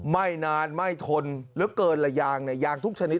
ไหม้นานไหม้ทนแล้วเกินหลายยางยางทุกชนิด